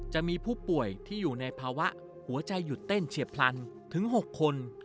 จะมีผู้ป่วยที่อยู่ในภาวะหัวใจหยุดเต้นเฉียบพลันถึง๖คน